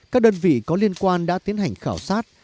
các đơn vị có liên quan đã tiến hành khảo sát